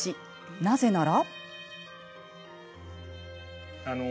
なぜなら。